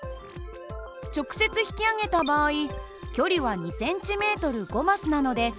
直接引き上げた場合距離は２ｃｍ５マスなので１０ｃｍ。